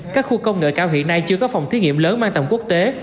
các khu công nghệ cao hiện nay chưa có phòng thiết nghiệm lớn mang tầm quốc tế